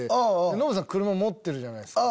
ノブさん車持ってるじゃないですか。